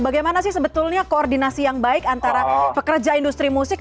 bagaimana sih sebetulnya koordinasi yang baik antara pekerja industri musik